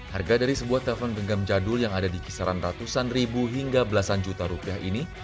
harga dari sebuah telpon genggam jadul yang ada di kisaran ratusan ribu hingga belasan juta rupiah ini